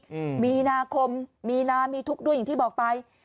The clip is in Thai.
อืมมีนาคมมีนามีทุกข์ด้วยอย่างที่บอกไป